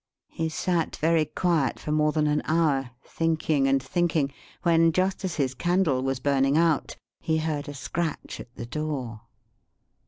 He sat very quiet for more than an hour, thinking and thinking, when, just as his candle was burning out, he heard a scratch at the door.